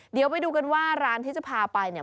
เดี๋ยวไปดูกันว่าร้านที่จะพาไปเนี่ย